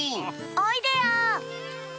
おいでよ！